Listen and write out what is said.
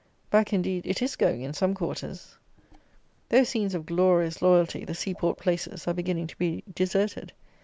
Back, indeed, it is going in some quarters. Those scenes of glorious loyalty, the sea port places, are beginning to be deserted.